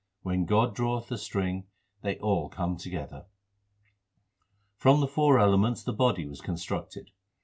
6 When God draweth the string, they all come together. 7 From the four elements the body 8 was constructed.